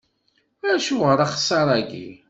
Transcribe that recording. Acuɣer axeṣṣar-agi?